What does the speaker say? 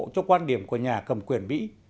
cho quan điểm của nhà cầm quyền mỹ